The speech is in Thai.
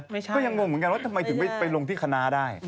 ก็ยังงงเหมือนกันว่าทำไมถึงไปลงที่คณะได้